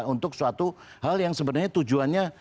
untuk suatu hal yang sebenarnya tujuannya